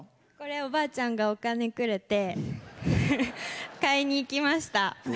おばあちゃんがお金くれて買いに行きました。